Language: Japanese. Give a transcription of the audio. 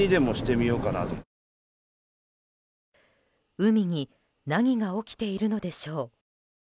海に何が起きているのでしょう。